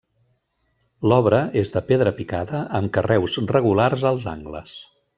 L'obra és de pedra picada amb carreus regulars als angles.